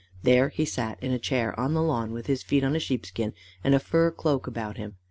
There he sat in a chair on the lawn, with his feet on a sheepskin, and a fur cloak about him.